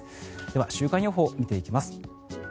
では、週間予報見ていきます。